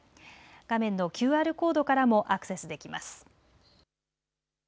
画面のＱＲコードからもアクセスできます。